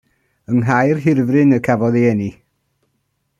Yng Nghaerhirfryn y cafodd ei eni.